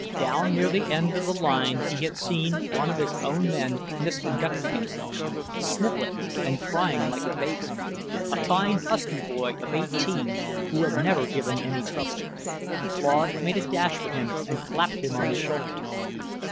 Down near the end of the line he had seen one of his own men misconducting himself, snivelling and crying like a baby, a fine husky boy of eighteen who had never given any trouble. Claude made a dash for him and clapped him on the shoulder.